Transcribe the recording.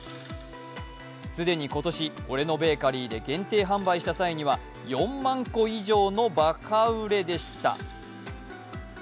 既に今年、俺のベーカリーで限定販売した際には４万個以上のばか売れでした。